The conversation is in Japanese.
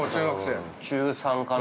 ◆中３かな。